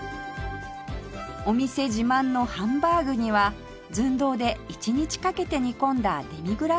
お店自慢のハンバーグには寸胴で一日かけて煮込んだデミグラスソースを使用